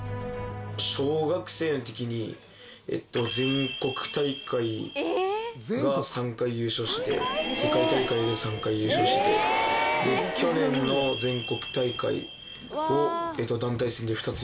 小学生の時に全国大会が３回優勝してて世界大会で３回優勝してて去年の全国大会を団体戦で２つ優勝してます。